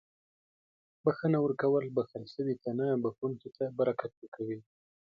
• بښنه ورکول بښل شوي ته نه، بښونکي ته برکت ورکوي.